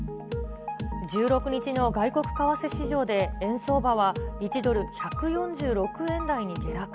１６日の外国為替市場で円相場は１ドル１４６円台に下落。